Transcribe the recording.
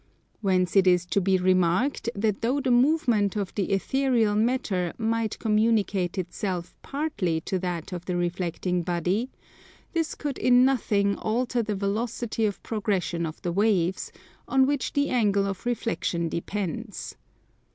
Whence it is to be remarked that though the movement of the ethereal matter might communicate itself partly to that of the reflecting body, this could in nothing alter the velocity of progression of the waves, on which the angle of reflexion depends.